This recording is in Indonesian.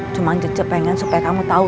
cuman cece pengen supaya kamu tau